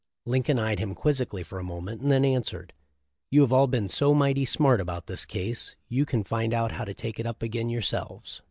Lincoln eyed him quizzically a moment, and then answered, "You have all been so 'mighty smart about this case you can find out how to take it up again yourselves."